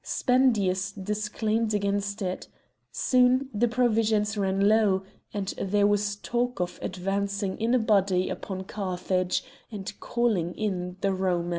Spendius declaimed against it. Soon the provisions ran low; and there was talk of advancing in a body upon Carthage, and calling in the Romans.